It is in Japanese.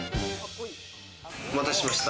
お待たせしました。